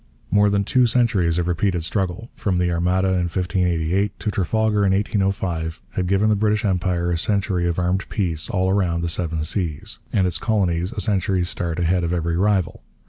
More than two centuries of repeated struggle, from the Armada in 1588 to Trafalgar in 1805, had given the British Empire a century of armed peace all round the Seven Seas, and its colonies a century's start ahead of every rival.